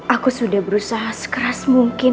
aku sudah berusaha sekeras mungkin